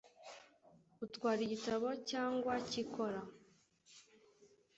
Utwara igitabo cyangwa cyikora?